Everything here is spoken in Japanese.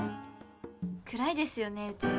暗いですよね、うち。